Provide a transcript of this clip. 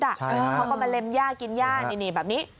เขาก็มาเล็มย่ากินย่านี่แบบนี้